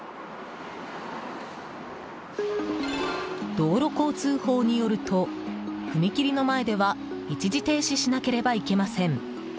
道路交通法によると踏切の前では一時停止しなければいけません。